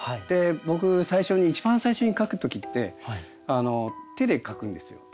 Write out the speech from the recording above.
僕最初に一番最初に描く時って手で描くんですよ。